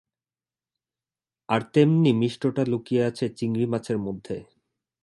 আর তেমনি মিষ্টতা লুকিয়ে আছে চিংড়ি মাছের মধ্যে।